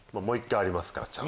もう１回ありますから。